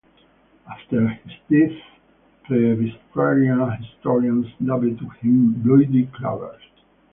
After his death, Presbyterian historians dubbed him "Bluidy Clavers".